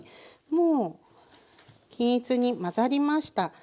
もう均一に混ざりました。